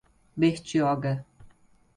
Bertioga